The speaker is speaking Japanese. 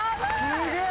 ・すげえ！